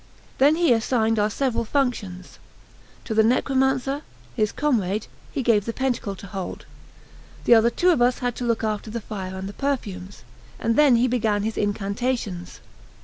Then he assigned our several functions; to the necromancer, his comrade, he gave the pentacle to hold; the other two of us had to look after the fire and the perfumes; and then he began his incantations.